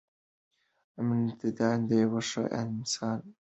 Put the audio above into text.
امانتداري د یو ښه انسان صفت دی.